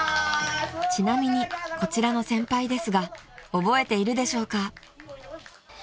［ちなみにこちらの先輩ですが覚えているでしょうか？］